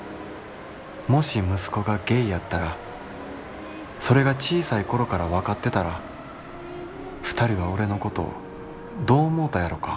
もし息子がゲイやったらそれが小さい頃から分かってたら二人は俺のことどう思うたやろか？」。